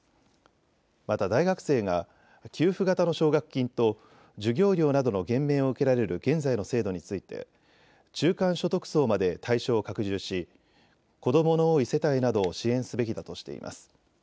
また大学生が給付型の奨学金と授業料などの減免を受けられる現在の制度について中間所得層まで対象を拡充し子どもの多い世帯などを支援すべきだとしています。